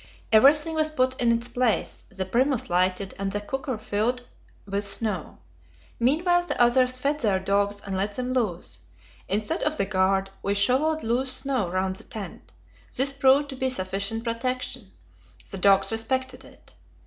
Everything was put in its place, the Primus lighted, and the cooker filled with snow. Meanwhile the others fed their dogs and let them loose. Instead of the "guard," we shovelled loose snow round the tent; this proved to be sufficient protection the dogs respected it.